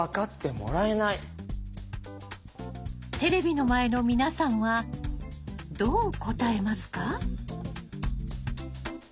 テレビの前の皆さんはどう答えますか？